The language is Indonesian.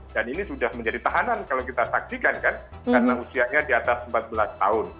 dan ini sudah menjadi tahanan kalau kita saksikan kan karena usianya di atas empat belas tahun